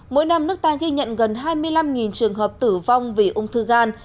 mỗi năm nước ta ghi nhận gần hai mươi năm trường hợp tử vong vì ung thư gan